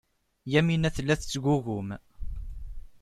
Yamina tella tettgugum.